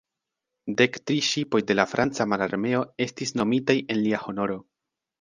Dek tri ŝipoj de la Franca Mararmeo estis nomitaj en lia honoro.